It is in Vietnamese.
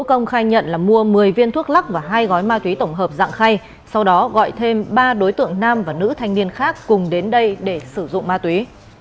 công khai nhận là mua một mươi viên thuốc lắc và hai gói ma túy tổng hợp dạng khay sau đó gọi thêm ba đối tượng nam và nữ thanh niên khác cùng đến đây để sử dụng ma túy